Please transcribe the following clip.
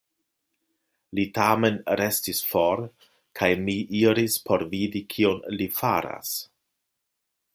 Li tamen restis for kaj mi iris por vidi, kion li faras.